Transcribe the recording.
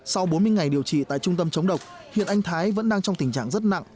sau bốn mươi ngày điều trị tại trung tâm chống độc hiện anh thái vẫn đang trong tình trạng rất nặng